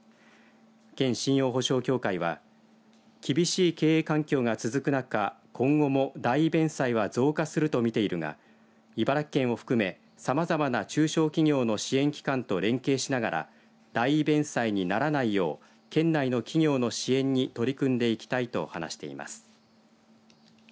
県信用保証協会は厳しい経営環境が続く中今後も代位弁済は増加すると見ているが茨城県を含めさまざまな中小企業の支援機関と連携しながら代位弁済にならないよう県内の企業の支援に取り組んでいきたいと話しています。